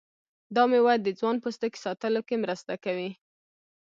دا میوه د ځوان پوستکي ساتلو کې مرسته کوي.